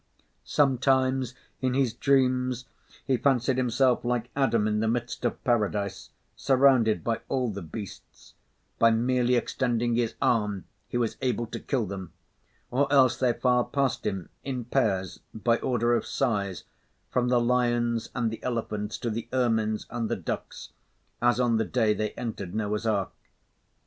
Sometimes, in his dreams, he fancied himself like Adam in the midst of Paradise, surrounded by all the beasts; by merely extending his arm, he was able to kill them; or else they filed past him, in pairs, by order of size, from the lions and the elephants to the ermines and the ducks, as on the day they entered Noah's Ark.